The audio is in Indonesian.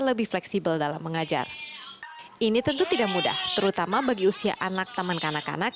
lebih fleksibel dalam mengajar ini tentu tidak mudah terutama bagi usia anak taman kanak kanak